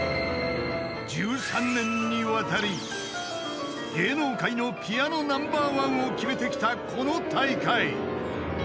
１３年にわたり芸能界のピアノナンバーワンを決めてきたこの大会］